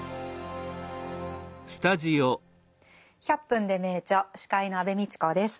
「１００分ｄｅ名著」司会の安部みちこです。